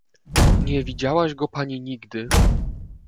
"nie widziałaś go pani nigdy!"